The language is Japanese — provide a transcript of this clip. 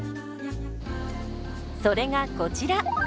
それがこちら。